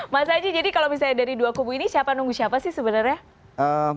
mas aji jadi kalau misalnya dari dua kubu ini siapa nunggu siapa sih sebenarnya